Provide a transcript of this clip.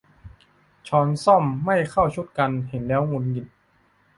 ช้อนส้อมไม่เข้าชุดกัน เห็นแล้วหงุดหงิด